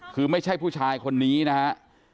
คือไม่ใช่ผู้ชายคนนี้นะฮะ